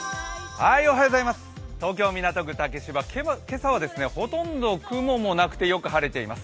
東京・港区竹芝、今朝はほとんど雲もなくてよく晴れています。